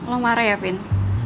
lo marah ya vin